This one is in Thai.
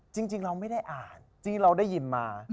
จริงเราไม่ได้อ่านที่เราได้ยินมา